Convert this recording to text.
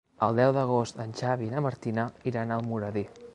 El deu d'agost en Xavi i na Martina iran a Almoradí.